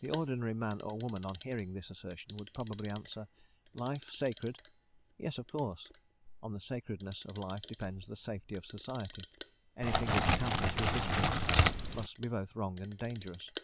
The ordinary man or woman, on hearing this assertion, would probably answer "Life sacred? Yes, of course; on the sacredness of life depends the safety of society; anything which tampers with this principle must be both wrong and dangerous."